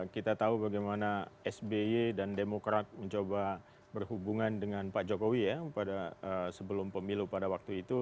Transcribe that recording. kita tahu bagaimana sby dan demokrat mencoba berhubungan dengan pak jokowi ya pada sebelum pemilu pada waktu itu